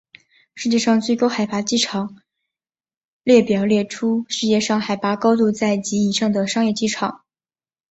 世界最高海拔机场列表列出世界上海拔高度在及以上的商业机场。